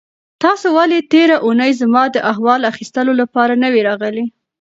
تاسو ولې تېره اونۍ زما د احوال اخیستلو لپاره نه وئ راغلي؟